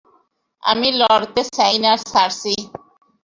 আমি লড়তে চাই না, সার্সি।